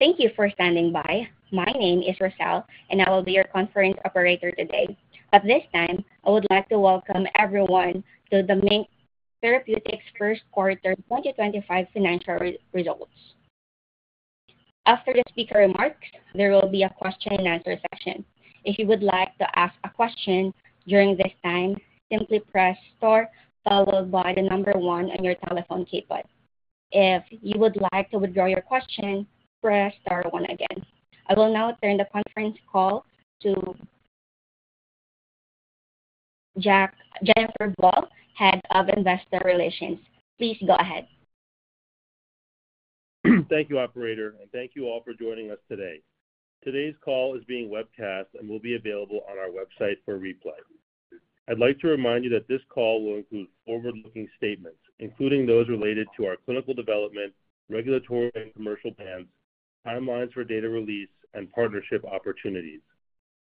Thank you for standing by. My name is Rochelle, and I will be your conference operator today. At this time, I would like to welcome everyone to the MiNK Therapeutics first quarter 2025 financial results. After the speaker remarks, there will be a question-and-answer session. If you would like to ask a question during this time, simply press star followed by the number one on your telephone keypad. If you would like to withdraw your question, press star one again. I will now turn the conference call to Zack Armen, Head of Investor Relations. Please go ahead. Thank you, Operator, and thank you all for joining us today. Today's call is being webcast and will be available on our website for replay. I'd like to remind you that this call will include forward-looking statements, including those related to our clinical development, regulatory and commercial plans, timelines for data release, and partnership opportunities.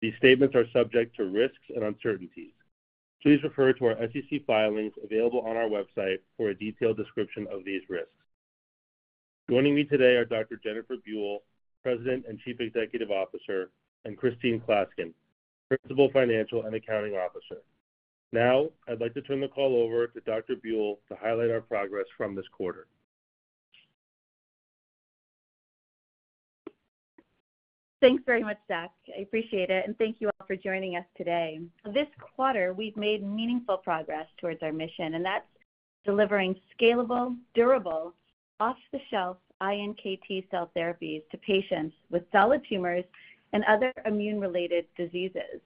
These statements are subject to risks and uncertainties. Please refer to our SEC filings available on our website for a detailed description of these risks. Joining me today are Dr. Jennifer Buell, President and Chief Executive Officer, and Christine Klaskin, Principal Financial and Accounting Officer. Now, I'd like to turn the call over to Dr. Buell to highlight our progress from this quarter. Thanks very much, Zack. I appreciate it, and thank you all for joining us today. This quarter, we've made meaningful progress towards our mission, and that's delivering scalable, durable, off-the-shelf iNKT cell therapies to patients with solid tumors and other immune-related diseases.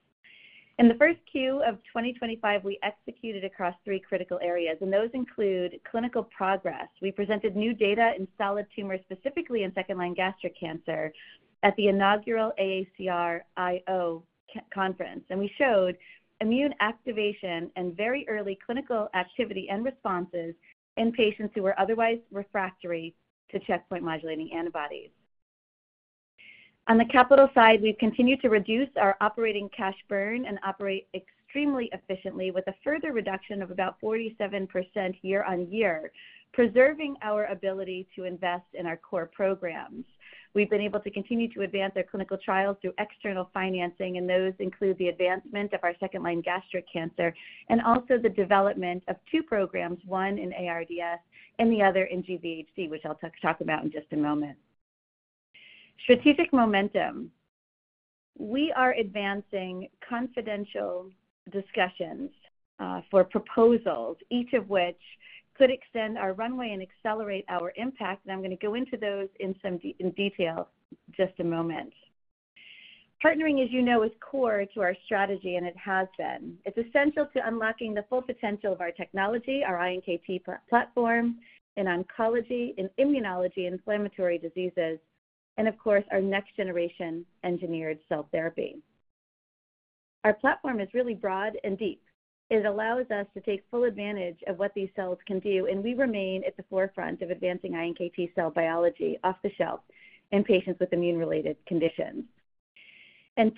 In the first Q of 2025, we executed across three critical areas, and those include clinical progress. We presented new data in solid tumors, specifically in second-line gastric cancer, at the inaugural AACR I/O conference, and we showed immune activation and very early clinical activity and responses in patients who were otherwise refractory to checkpoint modulating antibodies. On the capital side, we've continued to reduce our operating cash burn and operate extremely efficiently, with a further reduction of about 47% year-on-year, preserving our ability to invest in our core programs. We've been able to continue to advance our clinical trials through external financing, and those include the advancement of our second-line gastric cancer and also the development of two programs, one in ARDS and the other in GVHD, which I'll talk about in just a moment. Strategic momentum. We are advancing confidential discussions for proposals, each of which could extend our runway and accelerate our impact, and I'm going to go into those in some detail in just a moment. Partnering, as you know, is core to our strategy, and it has been. It's essential to unlocking the full potential of our technology, our iNKT platform in oncology, in immunology, inflammatory diseases, and of course, our next-generation engineered cell therapy. Our platform is really broad and deep. It allows us to take full advantage of what these cells can do, and we remain at the forefront of advancing iNKT cell biology off the shelf in patients with immune-related conditions.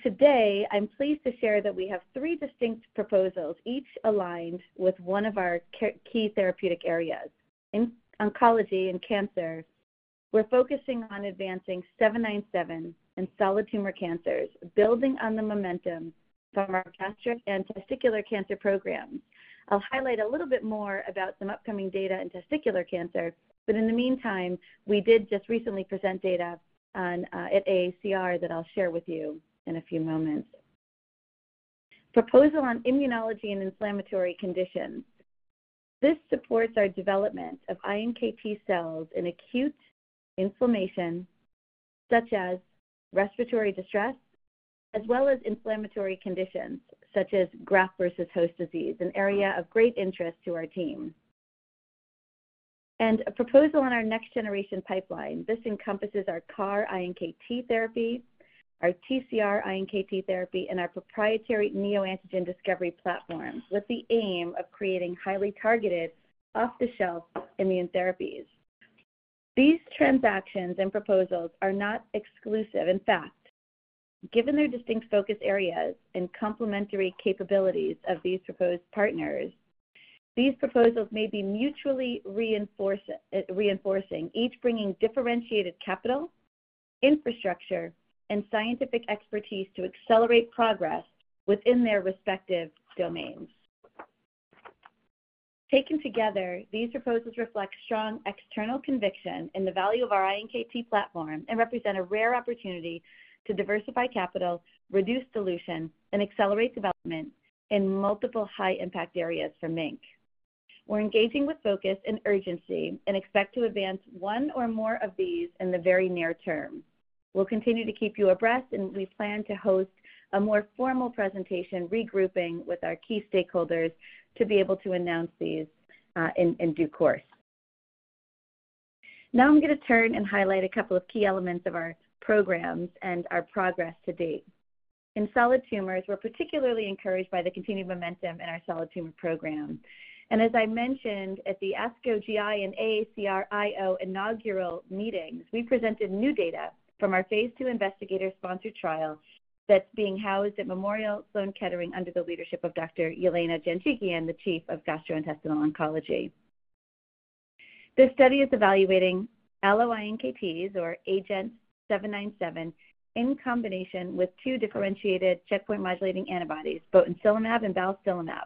Today, I'm pleased to share that we have three distinct proposals, each aligned with one of our key therapeutic areas. In oncology and cancer, we're focusing on advancing 797 and solid tumor cancers, building on the momentum from our gastric and testicular cancer programs. I'll highlight a little bit more about some upcoming data in testicular cancer. In the meantime, we did just recently present data at AACR that I'll share with you in a few moments. Proposal on immunology and inflammatory conditions. This supports our development of iNKT cells in acute inflammation, such as respiratory distress, as well as inflammatory conditions such as graft versus host disease, an area of great interest to our team. A proposal on our next-generation pipeline encompasses our CAR-iNKT therapy, our TCR-iNKT therapy, and our proprietary neoantigens discovery platform, with the aim of creating highly targeted, off-the-shelf immune therapies. These transactions and proposals are not exclusive. In fact, given their distinct focus areas and complementary capabilities of these proposed partners, these proposals may be mutually reinforcing, each bringing differentiated capital, infrastructure, and scientific expertise to accelerate progress within their respective domains. Taken together, these proposals reflect strong external conviction in the value of our iNKT platform and represent a rare opportunity to diversify capital, reduce dilution, and accelerate development in multiple high-impact areas for MiNK. We're engaging with focus and urgency and expect to advance one or more of these in the very near term. We'll continue to keep you abreast, and we plan to host a more formal presentation regrouping with our key stakeholders to be able to announce these in due course. Now I'm going to turn and highlight a couple of key elements of our programs and our progress to date. In solid tumors, we're particularly encouraged by the continued momentum in our solid tumor program. As I mentioned, at the ASCO GI and AACR I/O inaugural meetings, we presented new data from our phase two investigator-sponsored trial that's being housed at Memorial Sloan Kettering under the leadership of Dr. Yelena Janjigian and the Chief of Gastrointestinal Oncology. This study is evaluating allo-iNKTs, or AGENT-797, in combination with two differentiated checkpoint modulating antibodies, both nivolumab and ipilimumab,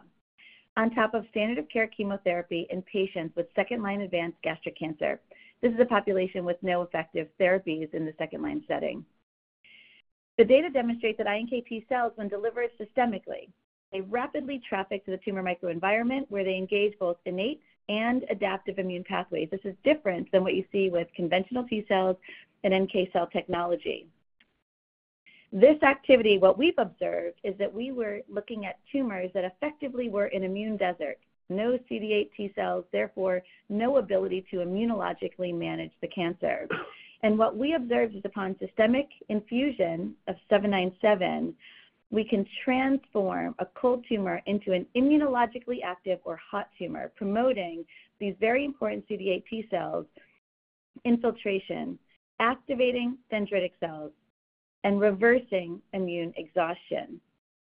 on top of standard-of-care chemotherapy in patients with second-line advanced gastric cancer. This is a population with no effective therapies in the second-line setting. The data demonstrates that iNKT cells, when delivered systemically, they rapidly traffic to the tumor microenvironment, where they engage both innate and adaptive immune pathways. This is different than what you see with conventional T cells and NK cell technology. This activity, what we've observed, is that we were looking at tumors that effectively were in immune desert, no CD8 T cells, therefore no ability to immunologically manage the cancer. What we observed is upon systemic infusion of 797, we can transform a cold tumor into an immunologically active or hot tumor, promoting these very important CD8 T cells infiltration, activating dendritic cells, and reversing immune exhaustion.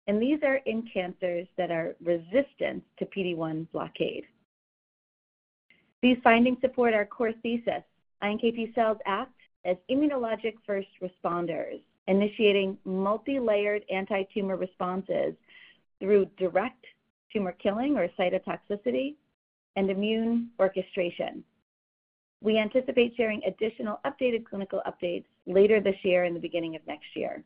These are in cancers that are resistant to PD-1 blockade. These findings support our core thesis. iNKT cells act as immunologic first responders, initiating multi-layered anti-tumor responses through direct tumor killing or cytotoxicity and immune orchestration. We anticipate sharing additional updated clinical updates later this year and the beginning of next year.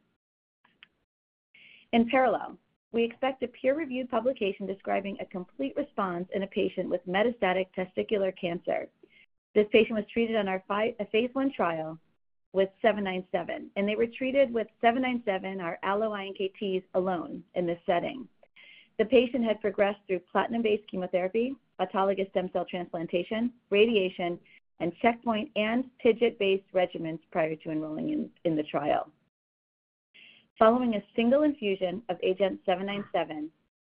In parallel, we expect a peer-reviewed publication describing a complete response in a patient with metastatic testicular cancer. This patient was treated on our phase one trial with AGENT-797, and they were treated with AGENT-797, our allo-iNKT cells, alone in this setting. The patient had progressed through platinum-based chemotherapy, autologous stem cell transplantation, radiation, and checkpoint and PD-1-based regimens prior to enrolling in the trial. Following a single infusion of AGENT-797,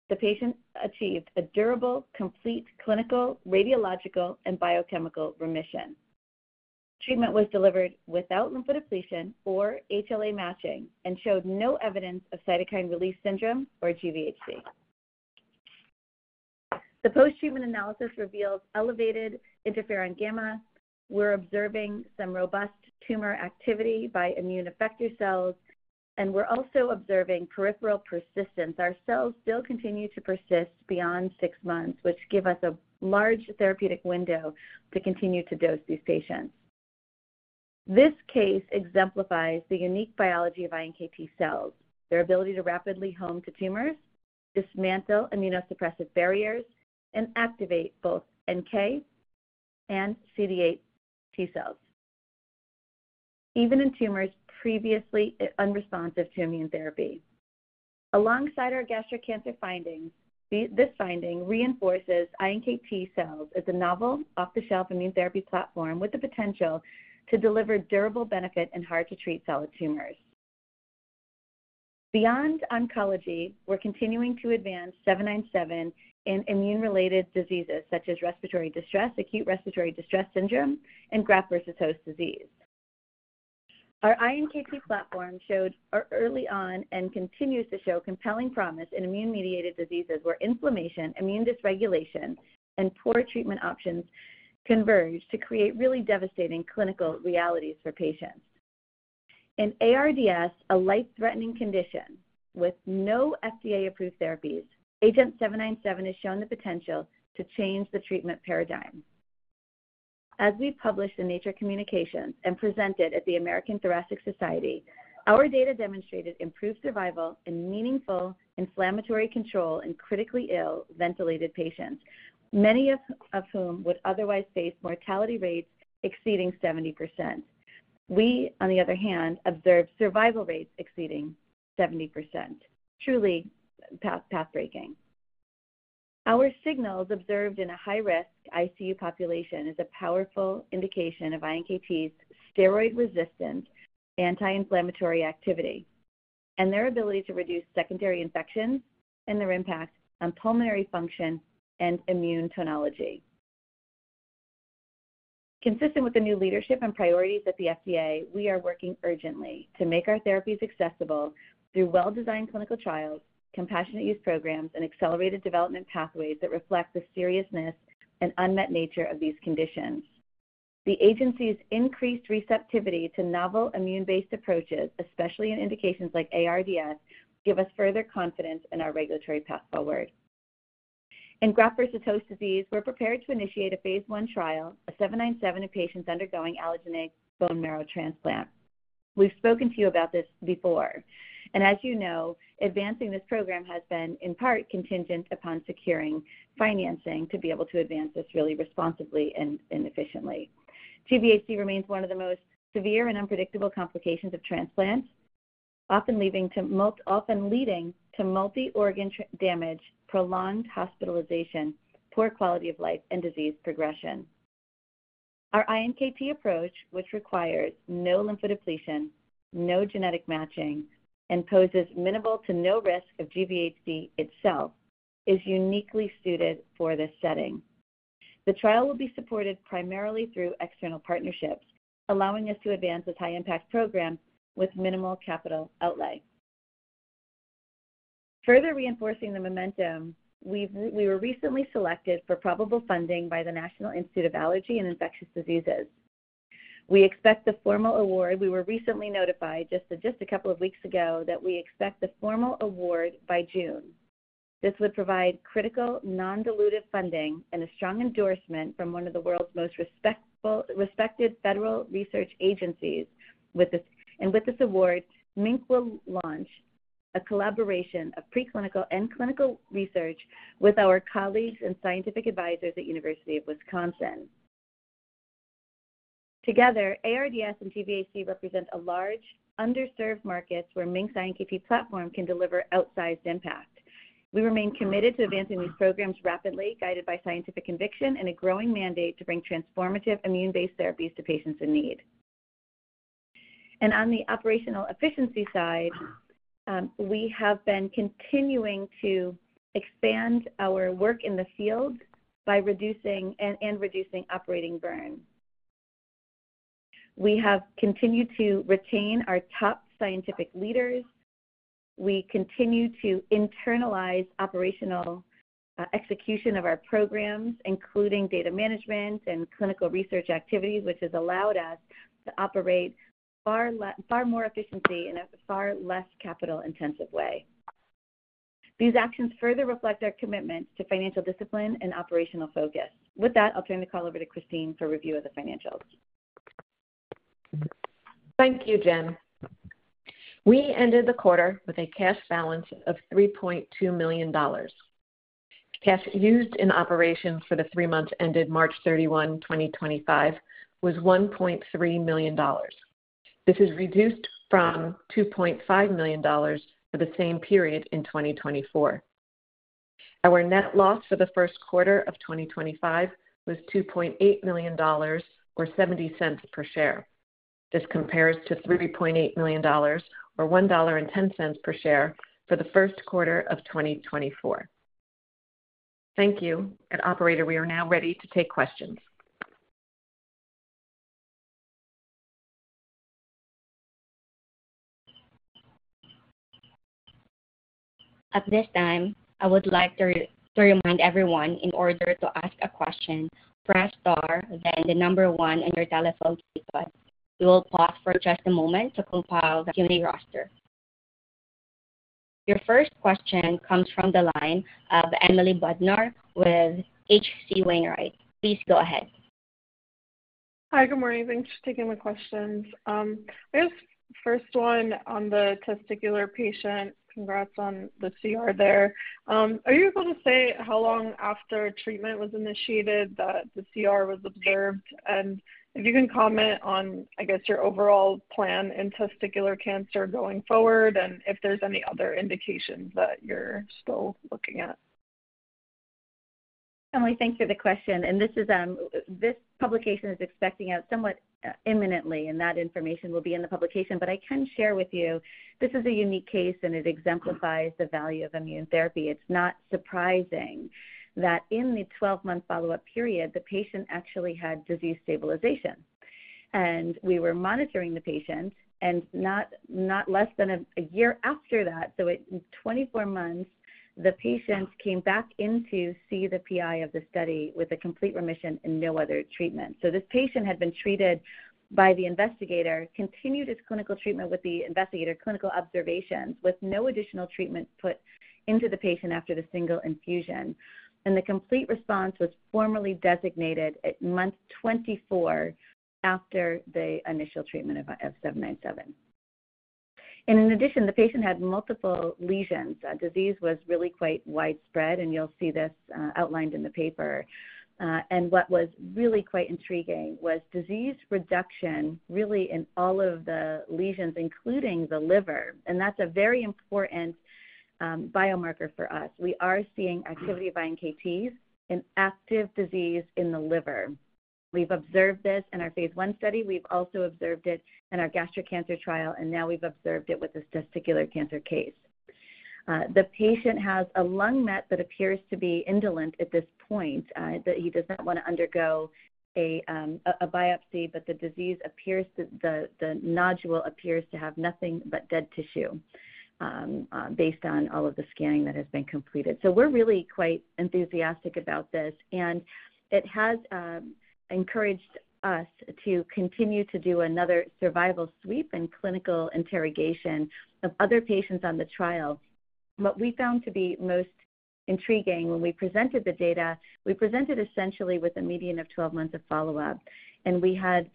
the patient achieved a durable, complete clinical, radiological, and biochemical remission. Treatment was delivered without lymphodepletion or HLA matching and showed no evidence of cytokine release syndrome or GVHD. The post-treatment analysis reveals elevated interferon gamma. We're observing some robust tumor activity by immune effector cells, and we're also observing peripheral persistence. Our cells still continue to persist beyond six months, which gives us a large therapeutic window to continue to dose these patients. This case exemplifies the unique biology of iNKT cells, their ability to rapidly home to tumors, dismantle immunosuppressive barriers, and activate both NK and CD8 T cells, even in tumors previously unresponsive to immune therapy. Alongside our gastric cancer findings, this finding reinforces iNKT cells as a novel, off-the-shelf immune therapy platform with the potential to deliver durable benefit in hard-to-treat solid tumors. Beyond oncology, we're continuing to advance 797 in immune-related diseases such as respiratory distress, acute respiratory distress syndrome, and graft versus host disease. Our iNKT platform showed early on and continues to show compelling promise in immune-mediated diseases where inflammation, immune dysregulation, and poor treatment options converge to create really devastating clinical realities for patients. In ARDS, a life-threatening condition with no FDA-approved therapies, AGENT-797 has shown the potential to change the treatment paradigm. As we published in Nature Communications and presented at the American Thoracic Society, our data demonstrated improved survival and meaningful inflammatory control in critically ill ventilated patients, many of whom would otherwise face mortality rates exceeding 70%. We, on the other hand, observed survival rates exceeding 70%. Truly pathbreaking. Our signals observed in a high-risk ICU population is a powerful indication of iNKT's steroid-resistant anti-inflammatory activity and their ability to reduce secondary infections and their impact on pulmonary function and immunnology. Consistent with the new leadership and priorities at the FDA, we are working urgently to make our therapies accessible through well-designed clinical trials, compassionate use programs, and accelerated development pathways that reflect the seriousness and unmet nature of these conditions. The agency's increased receptivity to novel immune-based approaches, especially in indications like ARDS, gives us further confidence in our regulatory path forward. In graft versus host disease, we're prepared to initiate a phase I trial of 797 in patients undergoing allogeneic bone marrow transplant. We've spoken to you about this before, and as you know, advancing this program has been, in part, contingent upon securing financing to be able to advance this really responsibly and efficiently. GVHD remains one of the most severe and unpredictable complications of transplant, often leading to multi-organ damage, prolonged hospitalization, poor quality of life, and disease progression. Our iNKT approach, which requires no lymphodepletion, no genetic matching, and poses minimal to no risk of GVHD itself, is uniquely suited for this setting. The trial will be supported primarily through external partnerships, allowing us to advance this high-impact program with minimal capital outlay. Further reinforcing the momentum, we were recently selected for probable funding by the National Institute of Allergy and Infectious Diseases. We expect the formal award. We were recently notified just a couple of weeks ago that we expect the formal award by June. This would provide critical, non-dilutive funding and a strong endorsement from one of the world's most respected federal research agencies. With this award, MiNK will launch a collaboration of preclinical and clinical research with our colleagues and scientific advisors at the University of Wisconsin. Together, ARDS and GVHD represent a large, underserved market where MiNK's iNKT platform can deliver outsized impact. We remain committed to advancing these programs rapidly, guided by scientific conviction and a growing mandate to bring transformative immune-based therapies to patients in need. On the operational efficiency side, we have been continuing to expand our work in the field by reducing operating burn. We have continued to retain our top scientific leaders. We continue to internalize operational execution of our programs, including data management and clinical research activities, which has allowed us to operate far more efficiently in a far less capital-intensive way. These actions further reflect our commitment to financial discipline and operational focus. With that, I'll turn the call over to Christine for review of the financials. Thank you, Jen. We ended the quarter with a cash balance of $3.2 million. Cash used in operations for the three months ended March 31, 2025, was $1.3 million. This is reduced from $2.5 million for the same period in 2024. Our net loss for the first quarter of 2025 was $2.8 million, or $0.70 per share. This compares to $3.8 million, or $1.10 per share for the first quarter of 2024. Thank you. Operator, we are now ready to take questions. At this time, I would like to remind everyone in order to ask a question, press star, then the number one on your telephone keypad. We will pause for just a moment to compile the Q&A roster. Your first question comes from the line of Emily Bodnar with HC Wainwright. Please go ahead. Hi, good morning. Thanks for taking my questions. I guess first one on the testicular patient. Congrats on the CR there. Are you able to say how long after treatment was initiated that the CR was observed? If you can comment on, I guess, your overall plan in testicular cancer going forward and if there's any other indications that you're still looking at. Emily, thank you for the question. This publication is expecting out somewhat imminently, and that information will be in the publication. I can share with you, this is a unique case, and it exemplifies the value of immune therapy. It's not surprising that in the 12-month follow-up period, the patient actually had disease stabilization. We were monitoring the patient and not less than a year after that, so in 24 months, the patient came back in to see the PI of the study with a complete remission and no other treatment. This patient had been treated by the investigator, continued his clinical treatment with the investigator, clinical observations with no additional treatment put into the patient after the single infusion. The complete response was formally designated at month 24 after the initial treatment of 797. In addition, the patient had multiple lesions. Disease was really quite widespread, and you'll see this outlined in the paper. What was really quite intriguing was disease reduction really in all of the lesions, including the liver. That's a very important biomarker for us. We are seeing activity of INKTs and active disease in the liver. We've observed this in our phase I study. We've also observed it in our gastric cancer trial, and now we've observed it with this testicular cancer case. The patient has a lung met that appears to be indolent at this point. He does not want to undergo a biopsy, but the disease appears that the nodule appears to have nothing but dead tissue based on all of the scanning that has been completed. We are really quite enthusiastic about this. It has encouraged us to continue to do another survival sweep and clinical interrogation of other patients on the trial. What we found to be most intriguing when we presented the data, we presented essentially with a median of 12 months of follow-up. We had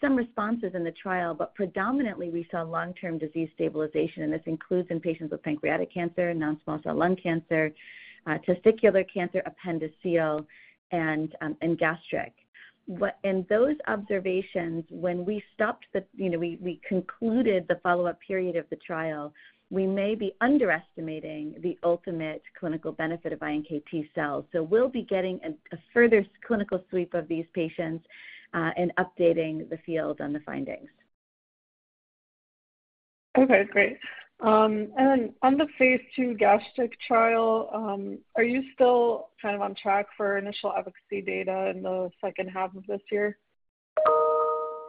some responses in the trial, but predominantly we saw long-term disease stabilization. This includes in patients with pancreatic cancer, non-small cell lung cancer, testicular cancer, appendiceal, and gastric. In those observations, when we stopped the, we concluded the follow-up period of the trial, we may be underestimating the ultimate clinical benefit of iNKT cells. We'll be getting a further clinical sweep of these patients and updating the field on the findings. Okay, great. On the phase II gastric trial, are you still kind of on track for initial efficacy data in the second half of this year?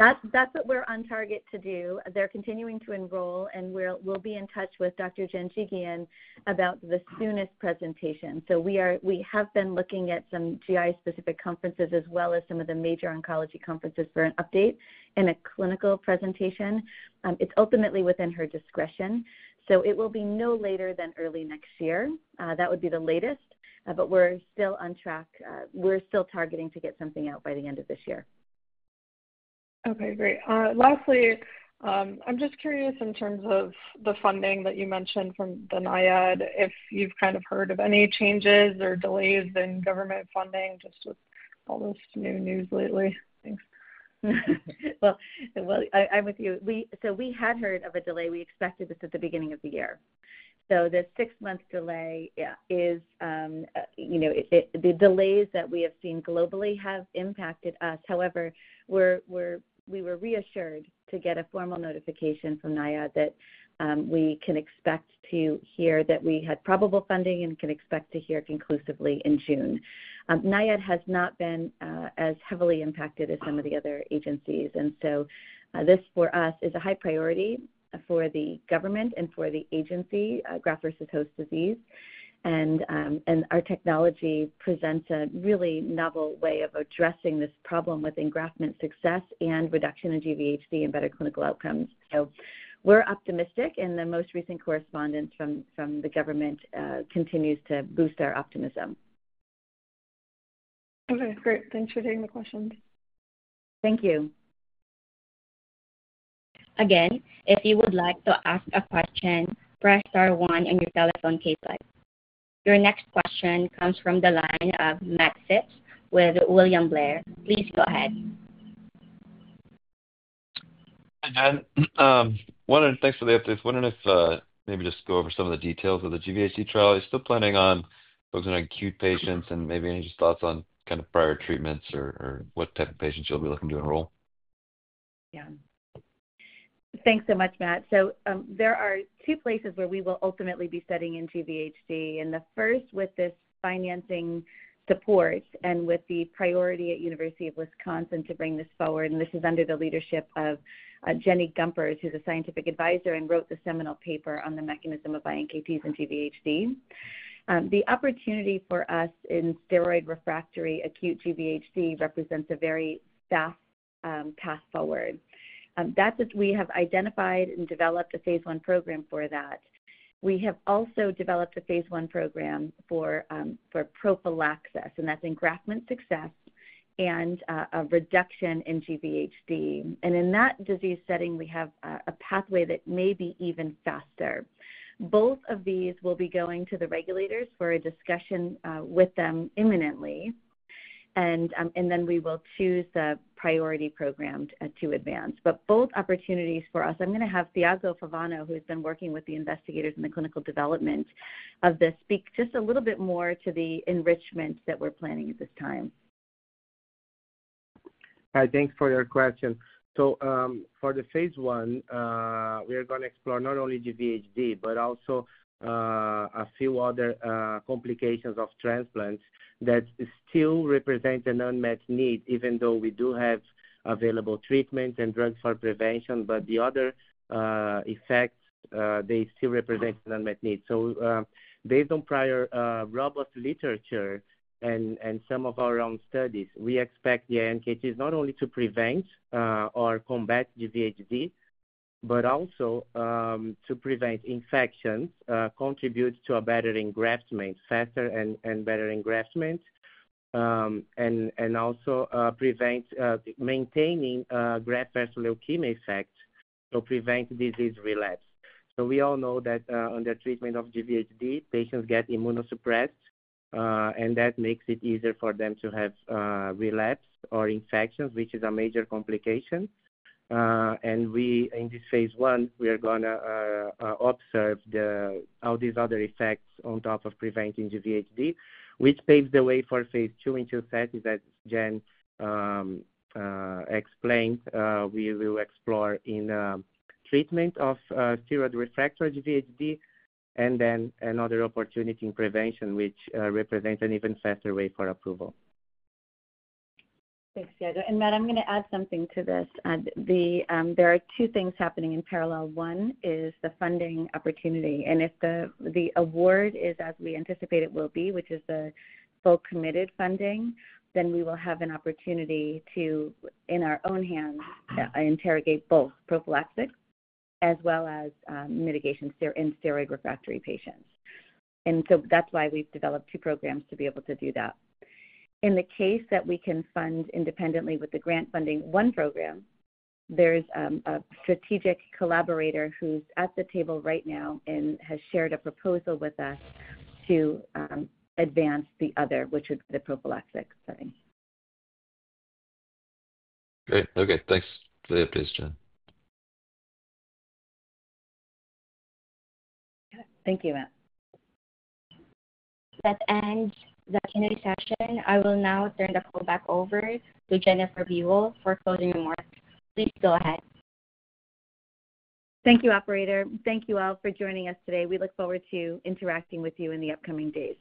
That's what we're on target to do. They're continuing to enroll, and we'll be in touch with Dr. Yelena Janjigian about the soonest presentation. We have been looking at some GI-specific conferences as well as some of the major oncology conferences for an update and a clinical presentation. It's ultimately within her discretion. It will be no later than early next year. That would be the latest. We're still on track. We're still targeting to get something out by the end of this year. Okay, great. Lastly, I'm just curious in terms of the funding that you mentioned from the NIAID, if you've kind of heard of any changes or delays in government funding just with all this new news lately. Thanks. I'm with you. We had heard of a delay. We expected this at the beginning of the year. The six-month delay is the delays that we have seen globally have impacted us. However, we were reassured to get a formal notification from NIAID that we can expect to hear that we had probable funding and can expect to hear conclusively in June. NIAID has not been as heavily impacted as some of the other agencies. This, for us, is a high priority for the government and for the agency, graft versus host disease. Our technology presents a really novel way of addressing this problem with engraftment success and reduction in GVHD and better clinical outcomes. We are optimistic, and the most recent correspondence from the government continues to boost our optimism. Okay, great. Thanks for taking the questions. Thank you. Again, if you would like to ask a question, press star one on your telephone keypad. Your next question comes from the line of Max Phipps with William Blair. Please go ahead. Hi, Jen. Thanks for the update. Wondering if maybe just go over some of the details of the GVHD trial. Are you still planning on focusing on acute patients and maybe any just thoughts on kind of prior treatments or what type of patients you will be looking to enroll? Yeah. Thanks so much, Max. There are two places where we will ultimately be studying in GVHD. The first with this financing support and with the priority at University of Wisconsin to bring this forward. This is under the leadership of Jennifer Buell, who's a scientific advisor and wrote the seminal paper on the mechanism of iNKT cells and GVHD. The opportunity for us in steroid refractory acute GVHD represents a very fast path forward. We have identified and developed a phase I program for that. We have also developed a phase I program for prophylaxis, and that's engraftment success and a reduction in GVHD. In that disease setting, we have a pathway that may be even faster. Both of these will be going to the regulators for a discussion with them imminently. We will choose the priority program to advance. Both opportunities for us, I'm going to have Thiago Favano, who has been working with the investigators in the clinical development of this, speak just a little bit more to the enrichment that we're planning at this time. Hi, thanks for your question. For the phase one, we are going to explore not only GVHD, but also a few other complications of transplants that still represent an unmet need, even though we do have available treatment and drugs for prevention. The other effects, they still represent an unmet need. Based on prior robust literature and some of our own studies, we expect the iNKTs not only to prevent or combat GVHD, but also to prevent infections, contribute to a better engraftment, faster and better engraftment, and also maintaining graft versus leukemia effect to prevent disease relapse. We all know that under treatment of GVHD, patients get immunosuppressed, and that makes it easier for them to have relapse or infections, which is a major complication. In this phase one, we are going to observe all these other effects on top of preventing GVHD, which paves the way for phase two into the setting that Jen explained. We will explore in treatment of steroid refractory GVHD and then another opportunity in prevention, which represents an even faster way for approval. Thanks, Thiago. Matt, I'm going to add something to this. There are two things happening in parallel. One is the funding opportunity. If the award is as we anticipate it will be, which is the full committed funding, then we will have an opportunity to, in our own hands, interrogate both prophylactic as well as mitigation in steroid refractory patients. That is why we have developed two programs to be able to do that. In the case that we can fund independently with the grant funding one program, there is a strategic collaborator who is at the table right now and has shared a proposal with us to advance the other, which would be the prophylactic setting. Okay, thanks. Thank you, Matt. That ends the Q&A session. I will now turn the call back over to Jennifer Buell for closing remarks. Please go ahead. Thank you, operator. Thank you all for joining us today. We look forward to interacting with you in the upcoming days.